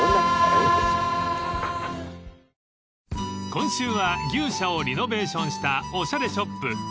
［今週は牛舎をリノベーションしたおしゃれショップ］